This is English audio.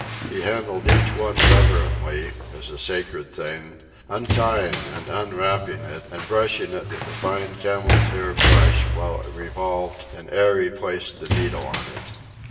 He handled each one reverently, as a sacred thing, untying and unwrapping it and brushing it with a fine camel's hair brush while it revolved and ere he placed the needle on it.